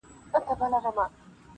مثنوي کي دا کیسه مي ده لوستلې-